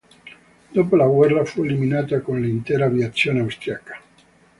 Dopo la guerra, fu eliminata con l'intera aviazione austriaca.